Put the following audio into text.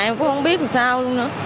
em cũng không biết làm sao luôn nữa